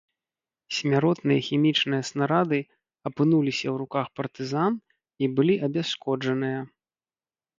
Смяротныя хімічныя снарады апынуліся ў руках партызан і былі абясшкоджаныя.